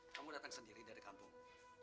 kamu datang sendiri dari kampung